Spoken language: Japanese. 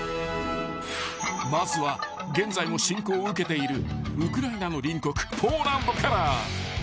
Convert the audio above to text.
［まずは現在も侵攻を受けているウクライナの隣国ポーランドから］